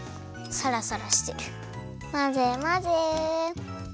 まぜまぜ。